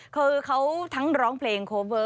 คือเขาทั้งร้องเพลงโคเวอร์